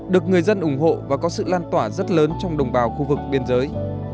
được người dân ủng hộ và có sự lan tỏa rất lớn trong đồng bào khu vực biên giới